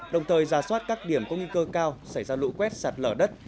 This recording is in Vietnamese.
đồng thời giả soát các điểm có nghi cơ cao xảy ra lũ quét sạt lở đất